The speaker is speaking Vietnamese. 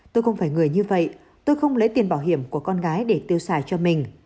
tôi không phải người như vậy tôi không lấy tiền bảo hiểm của con gái để tiêu xài